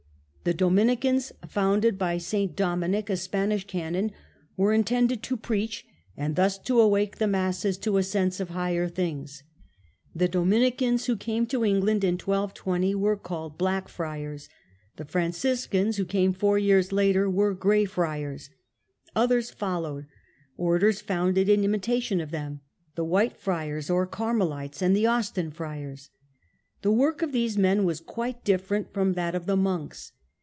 The Dominicans, founded by S. Dominic, a Spanish canon, were intended to preach, and thus to awake the masses to a sense of higher things. The Dominicans, who came to England in 1220, were called Black Friars; the Franciscans, who came four years later, were Grey Friars. Others followed, orders founded in imitation of them — the White Friars (or Carmelites) and the Austin Friars. The work of these men was quite different from that of the monks.